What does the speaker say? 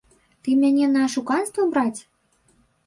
Ты мяне на ашуканства браць?